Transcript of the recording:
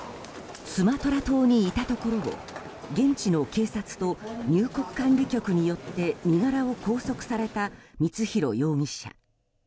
スマトラ島にいたところを現地の警察と入国管理局によって身柄を拘束された光弘容疑者。